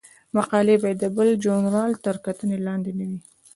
مقالې باید د بل ژورنال تر کتنې لاندې نه وي.